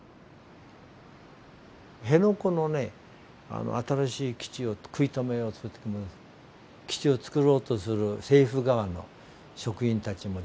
辺野古の新しい基地を食い止めようとする時に基地を造ろうとする政府側の職員たちも出てきてるわけでしょ。